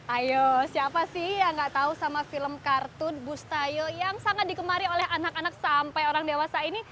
ayo siapa sih yang gak tahu sama film kartun bustayo yang sangat digemari oleh anak anak sampai orang dewasa ini